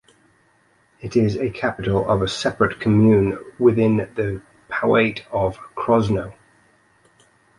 It is a capital of a separate commune within the powiat of Krosno.